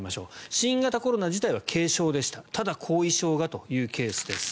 新型コロナ自体は軽症でしたただ、後遺症がというケースです